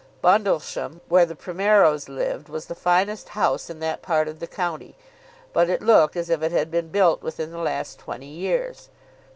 Bundlesham, where the Primeros lived, was the finest house in that part of the county, but it looked as if it had been built within the last twenty years.